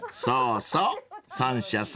［そうそう三者